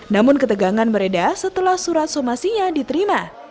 namun ketegangan bereda setelah surat somasinya diterima